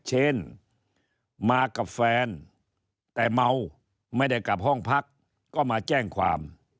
เช่นมากับแฟนแต่เมาไม่ได้กลับห้องพักก็มาแจ้งความ